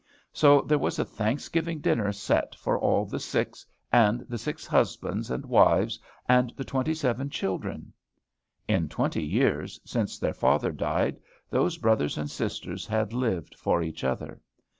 So there was a Thanksgiving dinner set for all the six, and the six husbands and wives, and the twenty seven children. In twenty years, since their father died, those brothers and sisters had lived for each other.